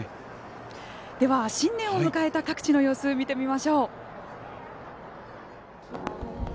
では、新年を迎えた各地の様子見てみましょう。